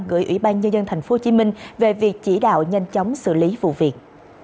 gửi ủy ban nhân dân tp hcm về việc chỉ đạo nhanh chóng xử lý vụ việc